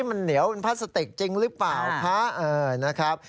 มันเหนียวเป็นพลาสติกจริงหรือเปล่าคะนะครับ